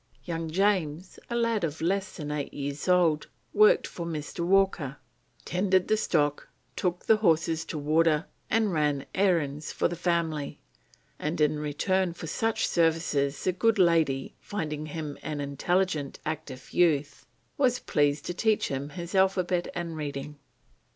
Young James, a lad of less than eight years old, worked for Mr. Walker: "tended the stock, took the horses to water, and ran errands for the family, and in return for such services the good lady, finding him an intelligent, active youth, was pleased to teach him his alphabet and reading."